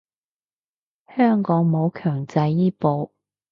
香港冇強制醫保